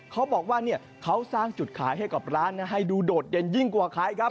เขาบอกว่าเขาสร้างจุดขายให้กับร้านให้ดูโดดเด่นยิ่งกว่าขายครับ